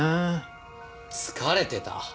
疲れてた？